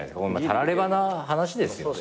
たらればな話ですよ。